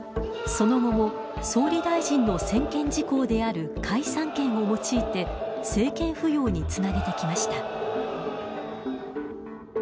その後も、総理大臣の専権事項である解散権を用いて政権浮揚につなげてきました。